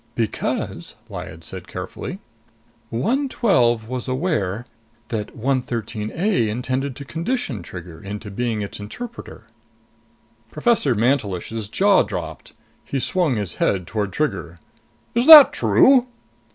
"Because," Lyad said carefully, "112 was aware that 113 A intended to condition Trigger into being its interpreter." Professor Mantelish's jaw dropped. He swung his head toward Trigger. "Is that true?"